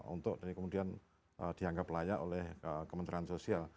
untuk kemudian dianggap layak oleh kementerian sosial